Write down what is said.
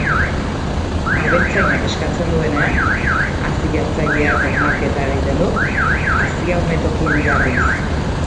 Abeltzainak eskatzen duenean, hazi-jartzaileak ernalketa egiten du, hazia umetokian jarriz.